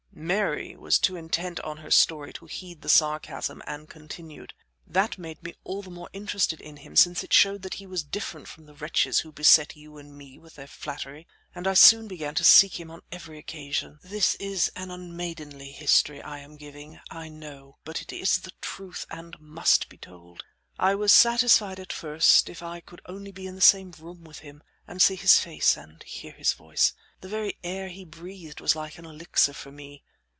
Mary was too intent on her story to heed the sarcasm, and continued: "That made me all the more interested in him since it showed that he was different from the wretches who beset you and me with their flattery, and I soon began to seek him on every occasion. This is an unmaidenly history I am giving, I know, but it is the truth, and must be told. I was satisfied at first if I could only be in the same room with him, and see his face, and hear his voice. The very air he breathed was like an elixir for me.